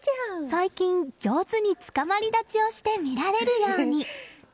最近、上手につかまり立ちをして見られるように。